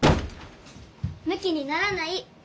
むきにならない！